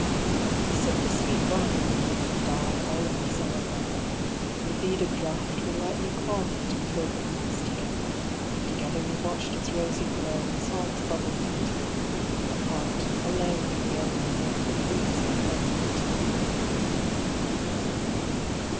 We sipped a sweet wine, you and I, All in the summer weather. The beaded draught we lightly quaffed, And filled the glass together. Together we watched its rosy glow, And saw its bubbles glitter; Apart, alone we only know The lees are very bitter.